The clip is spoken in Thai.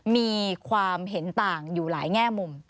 มีความเห็นต่างอยู่หลายแง่มุม